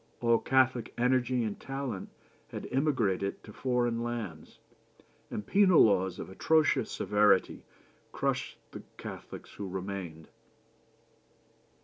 All Catholic energy and talent had emigrated to foreign lands, and penal laws of atrocious severity crushed the Catholics who remained."